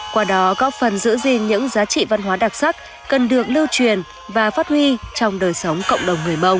qua đó góp phần giữ gìn những giá trị văn hóa đặc sắc cần được lưu truyền và phát huy trong đời sống cộng đồng người mông